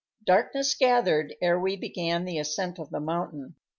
Darkness gathered ere we began the ascent of the mountain.